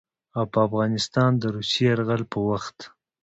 او په افغانستان د روسي يرغل په وخت